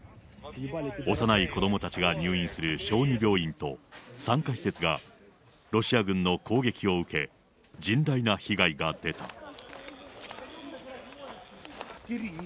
幼い子どもたちが入院する小児病院と、産科施設が、ロシア軍の攻撃を受け、甚大な被害が出た。